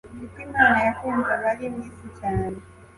Kuko Imana yakunze abari mu isi cyane,